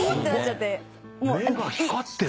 目が光ってる。